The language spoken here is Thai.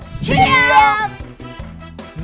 เชียบ